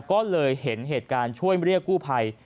ก็เลยเห็นเหตุการณ์ช่วยเรียกกู้ภัย